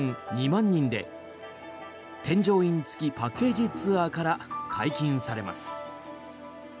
２万人で添乗員付きパッケージツアーから解禁されます。